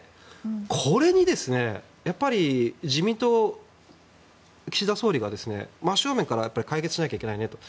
これに自民党、岸田総理が真正面から解決しなきゃいけないねと。